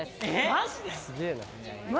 マジで！？